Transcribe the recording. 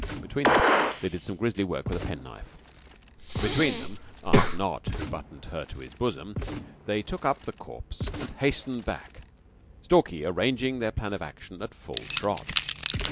Between them they did some grisly work with a penknife; between them (ask not who buttoned her to his bosom) they took up the corpse and hastened back, Stalky arranging their plan of action at the full trot.